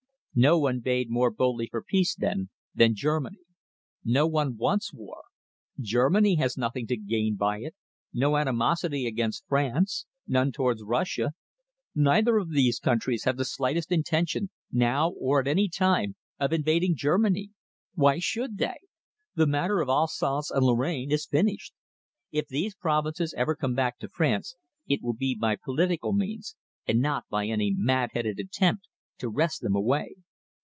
No one bade more boldly for peace then than Germany. No one wants war. Germany has nothing to gain by it, no animosity against France, none towards Russia. Neither of these countries has the slightest intention, now or at any time, of invading Germany. Why should they? The matter of Alsace and Lorraine is finished. If these provinces ever come back to France, it will be by political means and not by any mad headed attempt to wrest them away."